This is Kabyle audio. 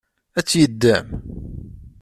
Ad tt-yeddem?